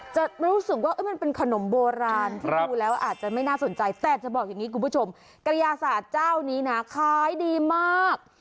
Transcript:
จะรู้สึกว่ามันเป็นขนมโบราณที่ดูแล้วอาจจะไม่น่าสนใจแต่จะบอกอย่างนี้คุณผู้ชมกระยาศาสตร์เจ้านี้นะขายดีมาก